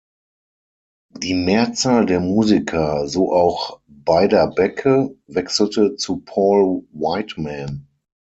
Die Mehrzahl der Musiker, so auch Beiderbecke, wechselte zu Paul Whiteman.